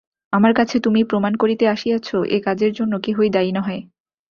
আমার কাছে তুমি প্রমাণ করিতে আসিয়াছ, এ কাজের জন্য কেহই দায়ী নহে!